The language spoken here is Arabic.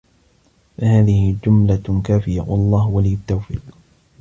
فَهَذِهِ جُمْلَةٌ كَافِيَةٌ ، وَاَللَّهُ وَلِيُّ التَّوْفِيقِ